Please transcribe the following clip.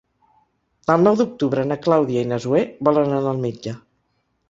El nou d'octubre na Clàudia i na Zoè volen anar al metge.